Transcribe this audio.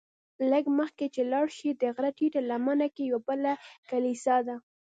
لږ مخکې چې لاړ شې د غره ټیټه لمنه کې یوه بله کلیسا ده.